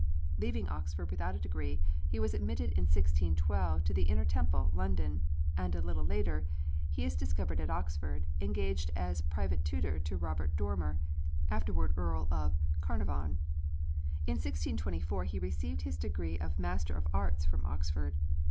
Leaving Oxford without a degree, he was admitted in 1612 to the Inner Temple, London, and a little later he is discovered at Oxford, engaged as private tutor to Robert Dormer, afterward Earl of Carnarvon. In 1624 he received his degree of Master of Arts from Oxford.